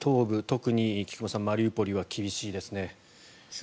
特に菊間さんマリウポリは厳しいですね。